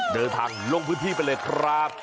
เดินทางล่องพืชภีร์ไปเลยครับ